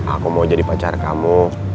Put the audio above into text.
aku mau jadi pacar kamu